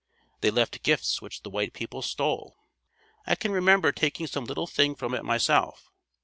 They left gifts which the white people stole. I can remember taking some little thing from it myself.